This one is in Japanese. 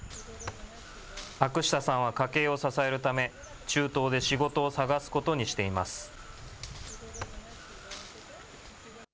アクシタさんは家計を支えるため中東で仕事を探すことにしています。